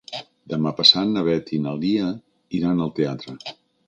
Demà passat na Beth i na Lia iran al teatre.